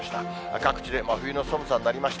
各地で真冬の寒さになりました。